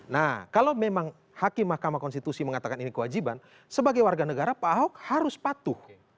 nah kalau memang hakim mahkamah konstitusi mengatakan ini kewajiban sebagai warga negara pak ahok harus patuh